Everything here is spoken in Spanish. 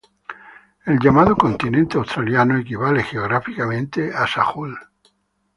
El llamado continente australiano equivale geográficamente a Sahul.